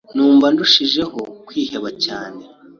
numva ndushijeho kwiheba cyane